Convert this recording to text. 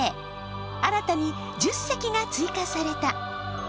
新たに１０石が追加された。